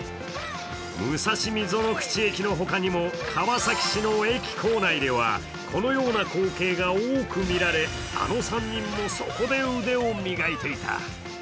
武蔵溝ノ口駅のほかにも、川崎市の駅構内ではこのような光景が多く見られあの３人もそこで腕を磨いていた。